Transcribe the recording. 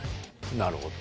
なるほど。